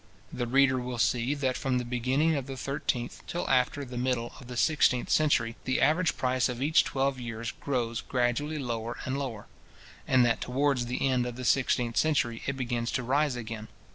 The reader will see, that from the beginning of the thirteenth till after the middle of the sixteenth century, the average price of each twelve years grows gradually lower and lower; and that towards the end of the sixteenth century it begins to rise again.